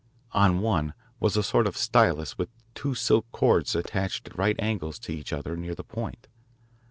On one was a sort of stylus with two silk cords attached at right angles to each other near the point.